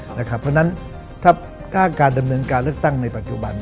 เพราะฉะนั้นถ้าการดำเนินการเลือกตั้งในปัจจุบัน